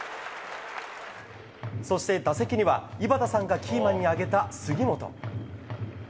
そして打席には井端さんがキーマンに挙げた杉本。